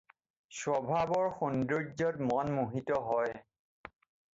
স্বভাৱৰ সৌন্দৰ্য্যত মন মোহিত হয়।